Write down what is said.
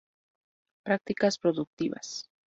Prácticas productivas.